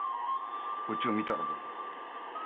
こっちを見たらどうだ？